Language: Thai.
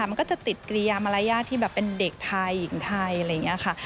มันก็จะติดกิริยามารยาทที่แบบเป็นเด็กไทยหญิงไทยอะไรอย่างนี้ค่ะ